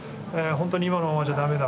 本当に今のままじゃダメだ。